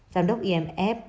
giám đốc imf